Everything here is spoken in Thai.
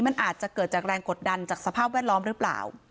มันอาจจะเกิดจากแรงกดดันจากสภาพแวดล้อมหรือเปล่า